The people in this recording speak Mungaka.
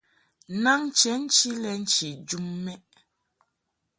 Naŋ chenchi lɛ nchi jum mɛʼ.